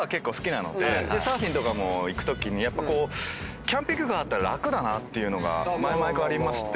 サーフィンとかも行くときにやっぱキャンピングカーあったら楽だなっていうのが前々からありまして。